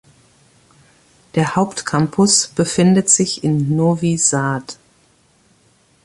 Der Hauptcampus befindet sich in Novi Sad.